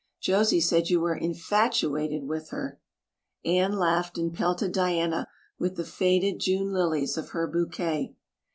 Josie said you were infatuated with her." Anne laughed and pelted Diana with the faded "June lilies" of her bouquet.